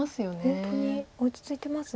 本当に落ち着いてます。